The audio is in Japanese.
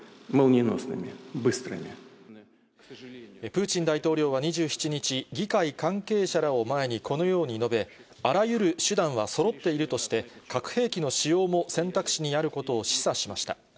プーチン大統領は２７日、議会関係者らを前にこのように述べ、あらゆる手段はそろっているとして、核兵器の使用も選択肢にあることを示唆しました。